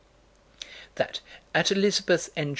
That, at Elizabeth, N.